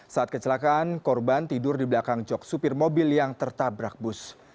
saat kecelakaan korban tidur di belakang jok supir mobil yang tertabrak bus